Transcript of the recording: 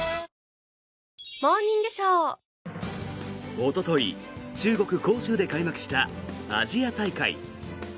おととい、中国・杭州で開幕したアジア大会。